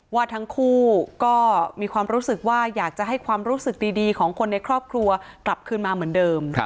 ว่าทั้งคู่ก็มีความรู้สึกว่าอยากจะให้ความรู้สึกดีของคนในครอบครัวกลับคืนมาเหมือนเดิม